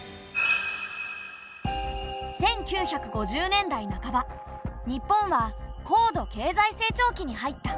１９５０年代半ば日本は高度経済成長期に入った。